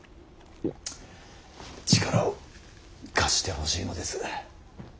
力を貸してほしいのです。